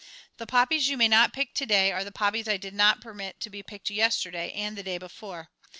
The poppies you may not pick to day are the poppies I did not permit to be picked yesterday and the day before.